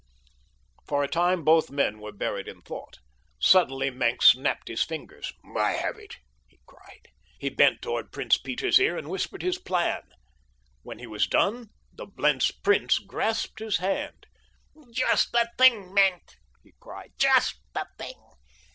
For a time both men were buried in thought. Suddenly Maenck snapped his fingers. "I have it!" he cried. He bent toward Prince Peter's ear and whispered his plan. When he was done the Blentz prince grasped his hand. "Just the thing, Maenck!" he cried. "Just the thing.